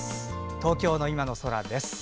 東京の今の空です。